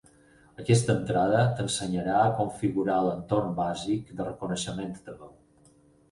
Aquesta entrada t'ensenyarà a configurar l'entorn bàsic de reconeixement de veu.